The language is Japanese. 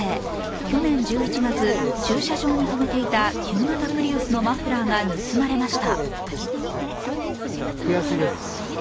去年１１月、駐車場に止めていた旧型プリウスのマフラーが盗まれました。